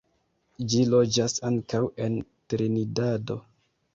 Ĝi loĝas ankaŭ en Trinidado.